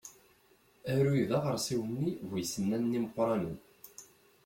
Aruy d aɣersiw-nni bu isennanen imeqqranen.